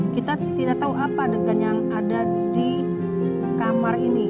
kita tidak tahu apa adegan yang ada di kamar ini